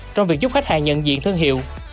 trong việc giúp khách hàng nhận diện thương hiệu